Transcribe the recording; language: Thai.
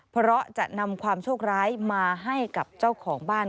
เพราะจะนำความโชคร้ายมาให้กับเจ้าของบ้าน